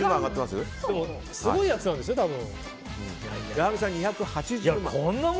すごいやつなんですよね、多分。